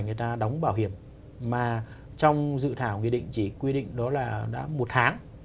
người ta đóng bảo hiểm mà trong dự thảo nghị định chỉ quy định đó là đã một tháng